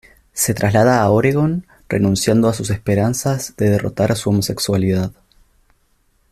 Se traslada a Oregón renunciando a sus esperanzas de derrotar a su homosexualidad.